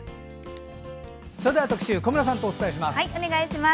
それでは、特集を小村さんとお伝えします。